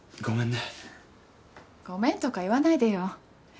ごめんとか言わないでよ。